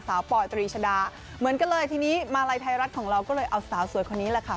ปอยตรีชดาเหมือนกันเลยทีนี้มาลัยไทยรัฐของเราก็เลยเอาสาวสวยคนนี้แหละค่ะ